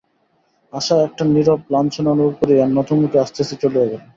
আশা একটা নীরব লাঞ্ছনা অনুভব করিয়া নতমুখে আস্তে আস্তে চলিয়া গেল।